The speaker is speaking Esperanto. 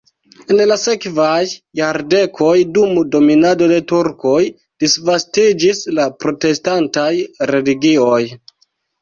En la sekvaj jardekoj dum dominado de turkoj disvastiĝis la protestantaj religioj.